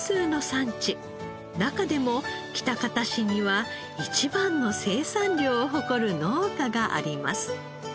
中でも喜多方市には一番の生産量を誇る農家があります。